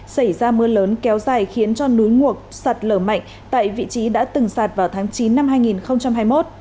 xảy ra mưa lớn kéo dài khiến cho núi nguộc sạt lở mạnh tại vị trí đã từng sạt vào tháng chín năm hai nghìn hai mươi một